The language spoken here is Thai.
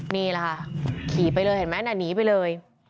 นี่แหละค่ะขี่ไปเลยเห็นไหมน่ะหนีไปเลย